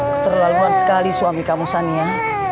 keterlaluan sekali suami kamu sania